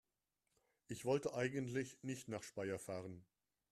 Ich wollte eigentlich nicht nach Speyer fahren